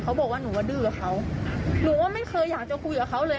เขาบอกว่าหนูว่าดื้อกับเขาหนูก็ไม่เคยอยากจะคุยกับเขาเลย